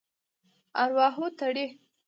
ارواحو تړي.